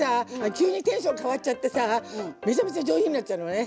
急にテンション変わっちゃってさめちゃめちゃ上品になっちゃうのね。